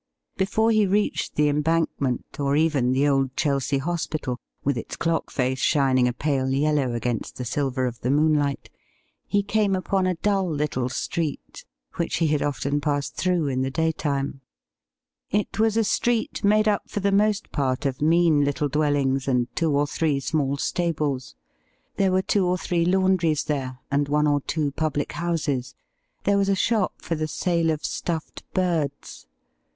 Before he reached the Embankment, or even the old Chelsea Hospital, with its clock face shining a pale yellow against the silver of the moonlight, he came upon a dull little street, which he had often passed through in the daytime. It was a street made up for the most part of 180 tHE iiit)DLE nma mean little dwellings and two or three small stables There were two or three laundries there, and one or two public houses; there was a shop for the sale of stuffed birds.